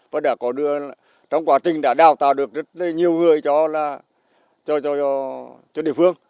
và đã có đưa trong quá trình đã đào tạo được rất nhiều người cho địa phương